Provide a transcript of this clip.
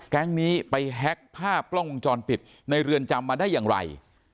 แก๊งนี้ไปแฮ็กภาพกล้องวงจรปิดในเรือนจำมาได้อย่างไร